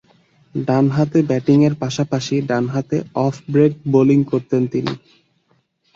ডানহাতে ব্যাটিংয়ের পাশাপাশি ডানহাতে অফ ব্রেক বোলিং করতেন তিনি।